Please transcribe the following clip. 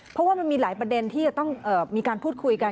เพราะว่ามันมีหลายประเด็นที่จะต้องมีการพูดคุยกัน